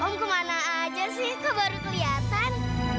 om ke mana aja sih kok baru kelihatan